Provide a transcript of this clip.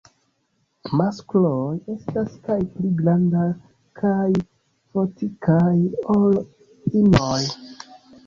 Maskloj estas kaj pli grandaj kaj fortikaj ol inoj.